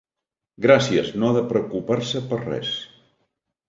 Gràcies, no ha de preocupar-se per res.